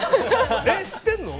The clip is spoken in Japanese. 知ってるの？